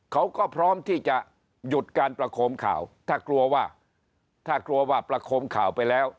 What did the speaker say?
เขาก็พร้อมที่จะหยุดการประคมข่าวถ้ากลัวว่าถ้ากลัวว่าประคมข่าวไปแล้ว